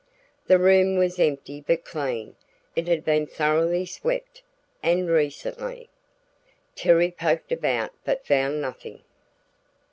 The room was empty but clean; it had been thoroughly swept, and recently. Terry poked about but found nothing.